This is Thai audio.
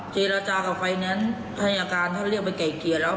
เจรจากับไฟแนนซ์ภายการท่านเรียกไปไก่เกียร์แล้ว